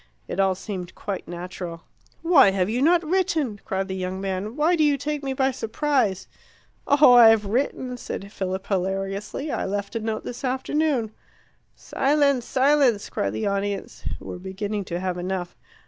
It all seemed quite natural. "Why have you not written?" cried the young man. "Why do you take me by surprise?" "Oh, I've written," said Philip hilariously. "I left a note this afternoon." "Silence! silence!" cried the audience, who were beginning to have enough.